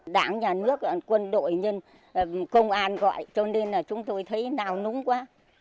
đảng nhà nước quân đội công an gọi cho nên là chúng tôi thấy nào núng quá